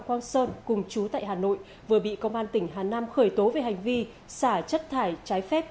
quang sơn cùng chú tại hà nội vừa bị công an tỉnh hà nam khởi tố về hành vi xả chất thải trái phép